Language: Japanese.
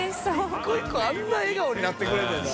１個１個あんな笑顔になってくれるねんな。